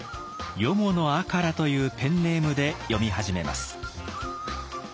四方赤良というペンネームで詠み始めます。